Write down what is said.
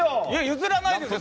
譲らないですよ。